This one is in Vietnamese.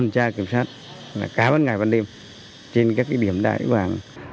cảm ơn ngài văn điêm trên các điểm đại vàng